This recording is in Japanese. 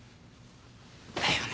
だよね。